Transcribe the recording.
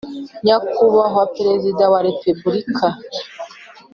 nyakubahwa perezida wa repubulika.